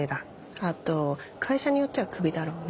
あと会社によってはクビだろうね。